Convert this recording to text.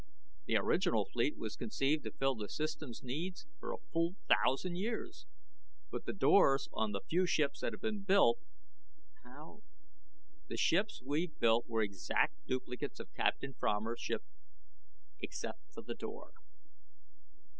The original fleet was conceived to fill the System's needs for a full thousand years." "But the doors on the few ships that have been built. How " "The ship's we've built were exact duplicates of Captain Fromer's ship except for the door."